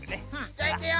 じゃあいくよ！